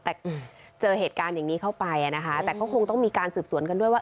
แต่เจอเหตุการณ์อย่างนี้เข้าไปอ่ะนะคะแต่ก็คงต้องมีการสืบสวนกันด้วยว่า